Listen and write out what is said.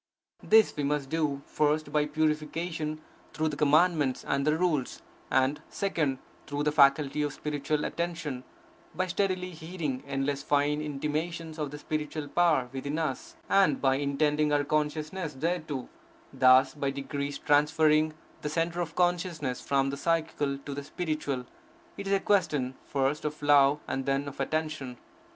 This we must do, first, by purification, through the Commandments and the Rules; and, second, through the faculty of spiritual attention, by steadily heeding endless fine intimations of the spiritual power within us, and by intending our consciousness thereto; thus by degrees transferring the centre of consciousness from the psychical to the spiritual. It is a question, first, of love, and then of attention.